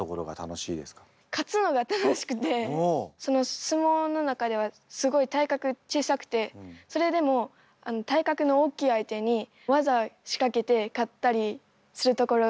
改めてその相撲の中ではすごい体格小さくてそれでも体格の大きい相手に技仕掛けて勝ったりするところが楽しくて。